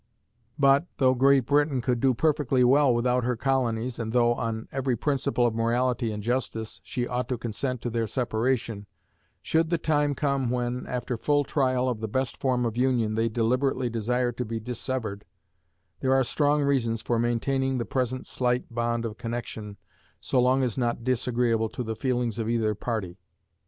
But, though Great Britain could do perfectly well without her colonies, and though, on every principle of morality and justice, she ought to consent to their separation, should the time come when, after full trial of the best form of union, they deliberately desire to be dissevered, there are strong reasons for maintaining the present slight bond of connection so long as not disagreeable to the feelings of either party.